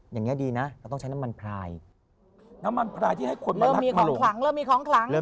อย่างนี้ดีนะต้องใช้น้ำมันพลายน้ำมันพลายที่ให้คน